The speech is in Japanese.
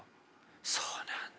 えっそうなんだ。